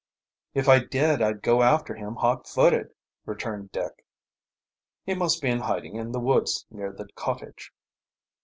"If I did I'd go after him hot footed," returned Dick. "He must be in hiding in the woods near the cottage."